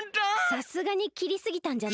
さすがにきりすぎたんじゃない？